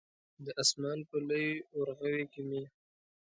د اسمان په لوی ورغوي کې مې